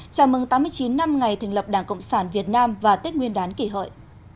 chào mừng tám mươi chín năm ngày thành lập đảng cộng sản việt nam và tết nguyên đán kỷ hợi